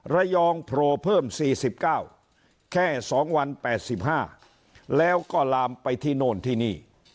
ระยองโผล่เพิ่ม๔๙แค่๒วัน๘๕แล้วก็ลามไปที่โน่นที่นี่